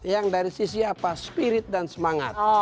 yang dari sisi apa spirit dan semangat